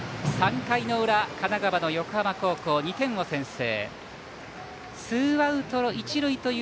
３回の裏、神奈川の横浜高校２点を先制。